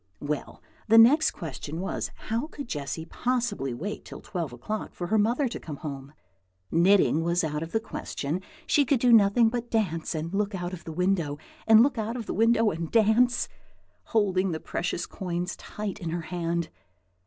Well, the next question was, How could Jessy possibly wait till twelve o'clock for her mother to come home? Knitting was out of the question. She could do nothing but dance and look out of window, and look out of window and dance, holding the precious coins tight in her hand.